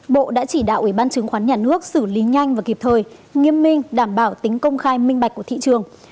bộ đã chỉ đạo ủy ban chứng khoán nhà nước xử lý nhanh và kịp thời nghiêm minh đảm bảo tính công khai minh bạch của thị trường